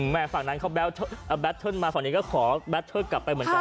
แหม่ฝั่งนั้นเขาแบตเชิลมาฝั่งนี้ก็ขอแบตเชิลกลับไปเหมือนกัน